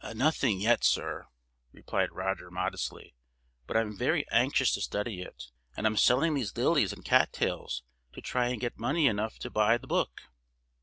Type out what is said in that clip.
"Nothing yet, sir," replied Roger, modestly. "But I am very anxious to study it, and I am selling these lilies and cat tails to try and get money enough to buy the book."